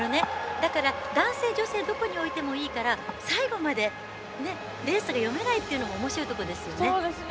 だから、男性、女性どこに置いてもいいから最後までレースが読めないというのもおもしろいですね。